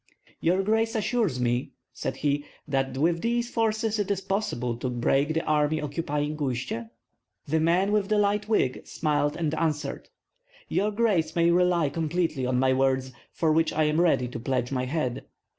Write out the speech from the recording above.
"Your grace assures me," said he, "that with these forces it is possible to break the army occupying Uistsie?" The man with the light wig smiled and answered: "Your grace may rely completely on my words, for which I am ready to pledge my head.